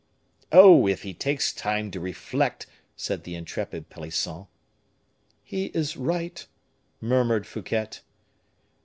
"Oh! if he takes time to reflect " said the intrepid Pelisson. "He is right," murmured Fouquet.